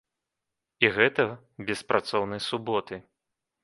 І гэта без працоўнай суботы.